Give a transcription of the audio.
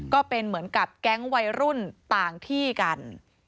ก็เป็นเหมือนกับแก๊งวัยรุ่นต่างที่กัน